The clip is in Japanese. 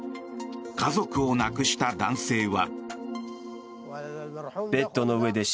家族を亡くした男性は。